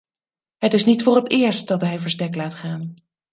Het is niet voor het eerst dat hij verstek laat gaan.